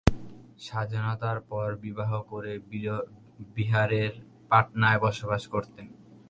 স্বাধীনতার পর বিবাহ করে বিহারের পাটনায় বসবাস করতেন।